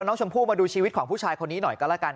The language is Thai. น้องชมพู่มาดูชีวิตของผู้ชายคนนี้หน่อยก็แล้วกัน